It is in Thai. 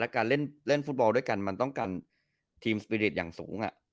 และการเล่นฟุตบอลเลยกันมันต้องการทีมสเปรียร์ศอย่างสูงอะ